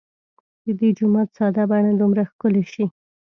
د دې جومات ساده بڼه دومره ښکلې شي.